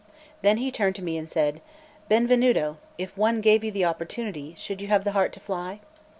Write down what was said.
Then he turned to me and said: "Benvenuto, if one gave you the opportunity, should you have the heart to fly?"